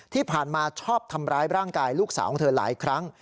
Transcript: ที่ผ่านมาชอบทำร้ายร่างกายลูกสาวของเธอหลายครั้ง